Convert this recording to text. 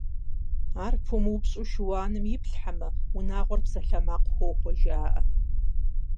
Ар пумыупщӀыу шыуаным иплъхьэмэ, унагъуэр псалъэмакъ хохуэ жаӀэ.